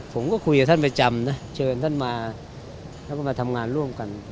ผมก็คุยกับท่านประจำนะเชิญท่านมาแล้วก็มาทำงานร่วมกัน